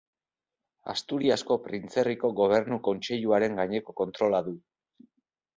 Asturiasko Printzerriko Gobernu Kontseiluaren gaineko kontrola du.